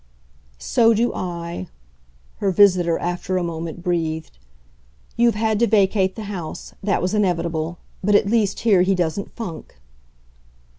"So do I!" her visitor after a moment breathed. "You've had to vacate the house that was inevitable. But at least here he doesn't funk."